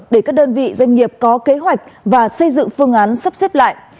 để các đơn vị doanh nghiệp có kế hoạch và xây dựng phương án sắp xếp lại